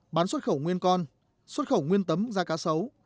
bán xuất khẩu nguyên con xuất khẩu nguyên tấm da cá xấu